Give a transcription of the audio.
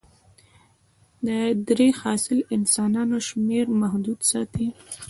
د درې حاصل د انسانانو شمېر محدود ساتي.